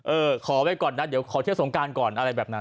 เออขอไว้ก่อนนะเดี๋ยวขอเที่ยวสงการก่อนอะไรแบบนั้น